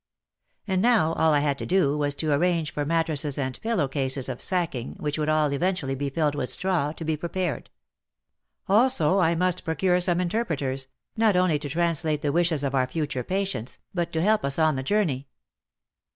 And now all I had to do was to arrange for mattresses and pillow cases of sacking, which would all eventually be filled with straw, to be prepared. Also I must procure some inter preters, not only to translate the wishes of our future patients, but to help us on the journey.